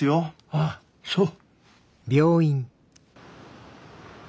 ああそう！